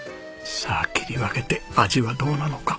さあ切り分けて味はどうなのか？